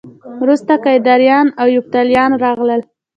وروسته کیداریان او یفتلیان راغلل